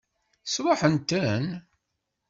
Sṛuḥen-ten?